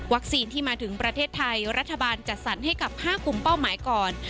ที่มาถึงประเทศไทยรัฐบาลจัดสรรให้กับ๕กลุ่มเป้าหมายก่อน